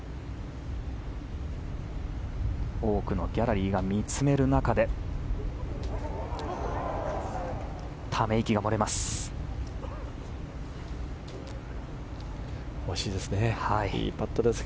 多くのギャラリーが見つめる中でため息がもれます。